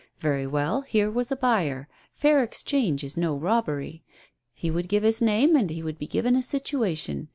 Very well, here was a buyer. Fair exchange is no robbery. lie would give his name, and he would be given a situation.